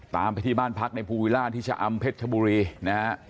ไปที่บ้านพักในภูวิล่าที่ชะอำเพชรชบุรีนะฮะ